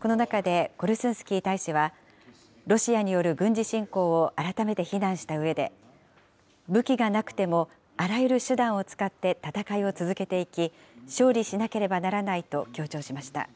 この中でコルスンスキー大使は、ロシアによる軍事侵攻を改めて非難したうえで、武器がなくてもあらゆる手段を使って戦いを続けていき、勝利しなければならないと強調しました。